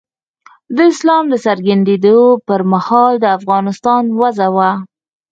د اسلام د څرګندېدو پر مهال د افغانستان وضع وه.